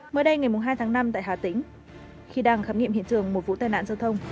mới đây ngày hai tháng năm tại hà tĩnh khi đang khám nghiệm hiện trường một vụ tai nạn giao thông